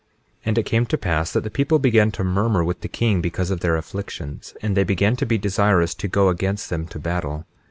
21:6 And it came to pass that the people began to murmur with the king because of their afflictions; and they began to be desirous to go against them to battle.